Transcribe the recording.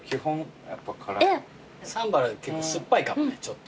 サンバルは結構酸っぱいかもねちょっと。